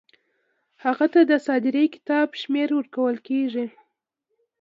هغه ته د صادرې کتاب شمیره ورکول کیږي.